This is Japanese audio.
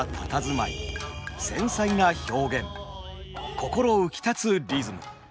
心浮きたつリズム。